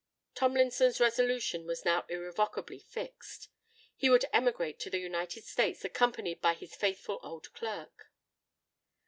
Tomlinson's resolution was now irrevocably fixed. He would emigrate to the United States, accompanied by his faithful old clerk!